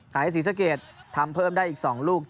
ศรีสะเกดทำเพิ่มได้อีก๒ลูก